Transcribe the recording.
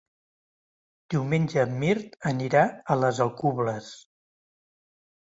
Diumenge en Mirt anirà a les Alcubles.